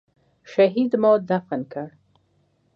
شهيد مو دفن کړ.